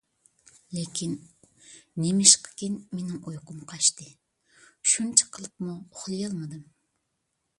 لېكىن نېمىشقىكىن مېنىڭ ئۇيقۇم قاچتى، شۇنچە قىلىپمۇ ئۇخلىيالمىدىم.